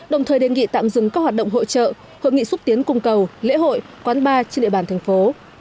đồng thời đề nghị tạm dừng các hoạt động hỗ trợ hợp nghị xúc tiến cung cầu lễ hội quán bar trên địa bàn thành phố